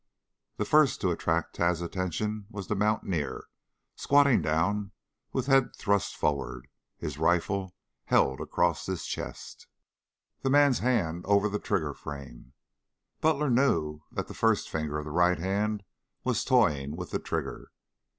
The first to attract Tad's attention was the mountaineer, squatting down with head thrust forward, his rifle held across his chest, the man's hand over the trigger frame. Butler knew that the first finger of the right hand was toying with the trigger.